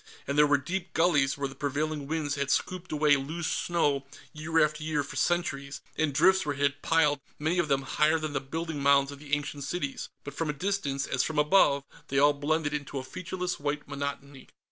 And there were deep gullies where the prevailing winds had scooped away loose snow year after year for centuries, and drifts where it had piled, many of them higher than the building mounds of the ancient cities. But from a distance, as from above, they all blended into a featureless white monotony.